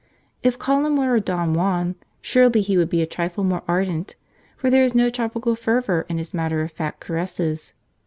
If Colin were a Don Juan, surely he would be a trifle more ardent, for there is no tropical fervour in his matter of fact caresses.